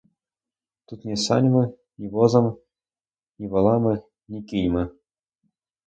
Тут ні саньми, ні возом, ні волами, ні кіньми.